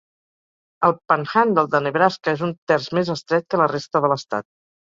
El Panhandle de Nebraska és un terç més estret que la resta de l'Estat.